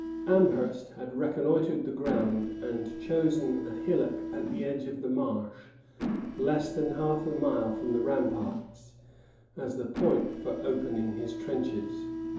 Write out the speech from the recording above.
Amherst had reconnoitred the ground and chosen a hillock at the edge of the marsh, less than half a mile from the ramparts, as the point for opening his trenches.